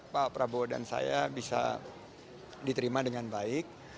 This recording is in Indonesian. pak prabowo dan saya bisa diterima dengan baik